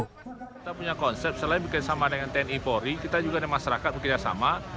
kita punya konsep selain bersama dengan tni pori kita juga ada masyarakat bekerjasama